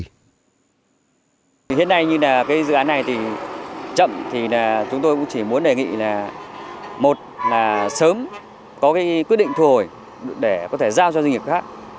hiện nay như là cái dự án này thì chậm thì là chúng tôi cũng chỉ muốn đề nghị là một là sớm có cái quyết định thu hồi để có thể giao cho doanh nghiệp khác